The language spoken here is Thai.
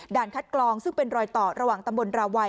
ด่านคัดกลองซึ่งเป็นรอยตอดระหว่างตรราวัย